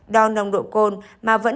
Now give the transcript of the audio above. đo nồng độ côn